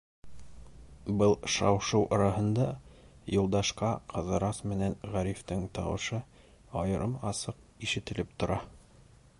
Был шау-шыу араһында Юлдашҡа Ҡыҙырас менән Ғарифтың тауышы айырым-асыҡ ишетелеп тора.